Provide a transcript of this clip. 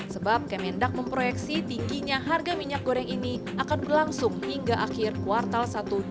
sebab kemendak memproyeksi tingginya harga minyak goreng ini akan berlangsung hingga akhir kuartal satu dua ribu dua puluh